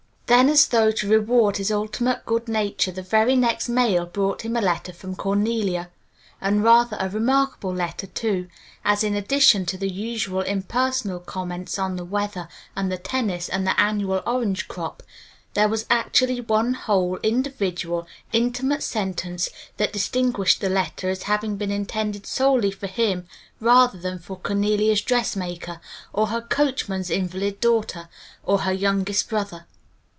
Then as though to reward his ultimate good nature the very next mail brought him a letter from Cornelia, and rather a remarkable letter too, as in addition to the usual impersonal comments on the weather and the tennis and the annual orange crop, there was actually one whole, individual, intimate sentence that distinguished the letter as having been intended solely for him rather than for Cornelia's dressmaker or her coachman's invalid daughter, or her own youngest brother.